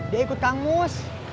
dia ikut kang mus